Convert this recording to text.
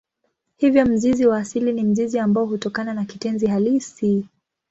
Hivyo mzizi wa asili ni mzizi ambao hutokana na kitenzi halisi.